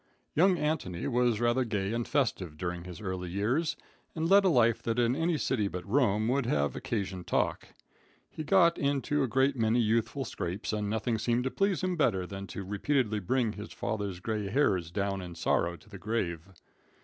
Young Antony was rather gay and festive during his early years, and led a life that in any city but Rome would have occasioned talk. He got into a great many youthful scrapes, and nothing seemed to please him better than to repeatedly bring his father's gray hairs down in sorrow to the grave.